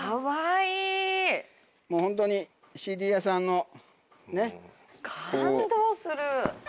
もうホントにＣＤ屋さんのねっこう。